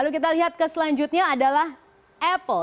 lalu kita lihat ke selanjutnya adalah apple